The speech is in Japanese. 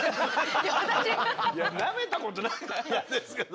いやなめたことないんですけど。